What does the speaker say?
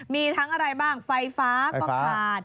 มีทั้งอะไรบ้างไฟฟ้าก็ขาด